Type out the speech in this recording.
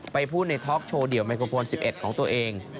พูดในท็อกโชว์เดี่ยวไมโครโฟน๑๑ของตัวเอง